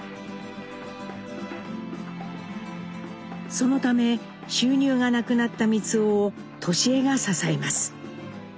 そのため収入がなくなった光男を智江が支えます。